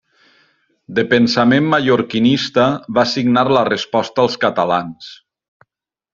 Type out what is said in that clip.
De pensament mallorquinista, va signar la Resposta als catalans.